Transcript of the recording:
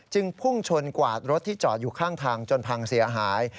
พุ่งชนกวาดรถที่จอดอยู่ข้างทางจนพังเสียหาย